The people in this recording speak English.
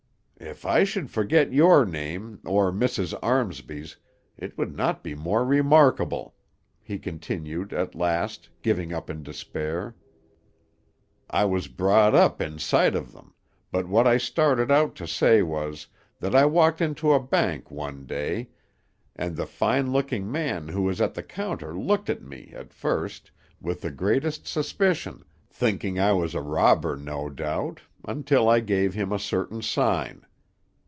"If I should forget your name, or Mrs. Armsby's, it would not be more remarkable," he continued, at last, giving up in despair. "I was brought up in sight of them; but what I started out to say was, that I walked into a bank one day, and the fine looking man who was at the counter looked at me, at first, with the greatest suspicion, thinking I was a robber, no doubt, until I gave him a certain sign.